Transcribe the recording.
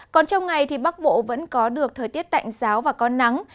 còn trong ngày bắc bộ vẫn có được thời tiết tạnh ráo và có nắng